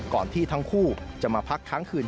ก่อนที่ทั้งคู่จะมาพักค้างคืน